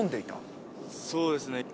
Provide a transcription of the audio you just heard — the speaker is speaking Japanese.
そうですね。